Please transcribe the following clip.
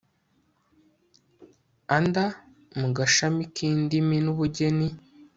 anda mu gashami k'indimi n'ubugeni